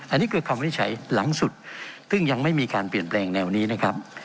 อันนี้คือคำวินิจฉัยหลังสุดซึ่งยังไม่มีการเปลี่ยนแปลงแนวนี้นะครับ